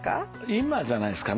今じゃないですかね。